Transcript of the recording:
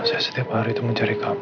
saya setiap hari itu mencari kap